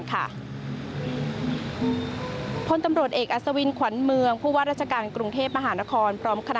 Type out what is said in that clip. โพธนตำรวจเอกอัสวินขวัญเมืองภูว่าราชการกรุงเทพมหานคร